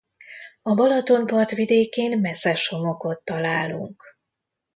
A Balaton partvidékén meszes homokot találunk.